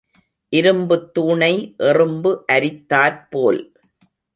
இரும்புத் தூணை எறும்பு அரித்தாற்போல்.